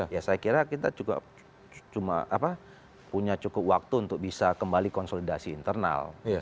ya saya kira kita juga cuma punya cukup waktu untuk bisa kembali konsolidasi internal